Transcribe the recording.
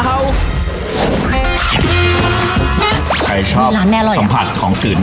ครับแล้วก็ไม่แข็งอัอ